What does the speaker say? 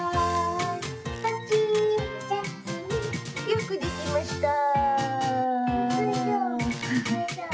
よくできました。